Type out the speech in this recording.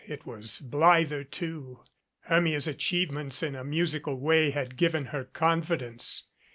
It was blither, too. Hermia's achievements in a musical way had given her confidence.